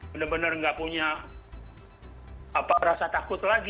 bener bener nggak punya apa rasa takut lagi